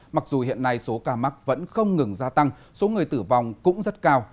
mặc dù hiện nay số ca mắc vẫn không ngừng gia tăng số người tử vong cũng rất cao